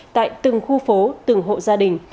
tại từng khu phố từng hộ gia đình